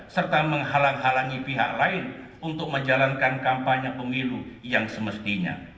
serta menghalang halangi pihak lain untuk menjalankan kampanye pemilu yang semestinya